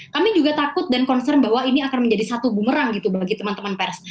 kami juga takut dan concern bahwa ini akan menjadi satu bumerang gitu bagi teman teman pers